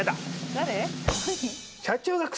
誰？